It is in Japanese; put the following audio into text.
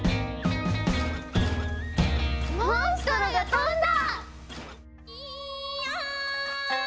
モンストロが飛んだ！